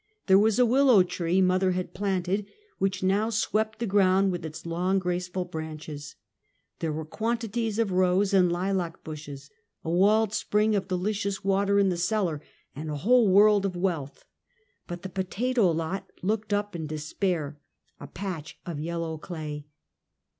There was a willow tree mother had planted, which now swept the ground with its long, graceful branches. There were quantities of rose and lilac bushes, a walled spring of delicious water in the cellar, and a whole world of wealth; but the potato lot looked up in des pair — a patch of yellow clay.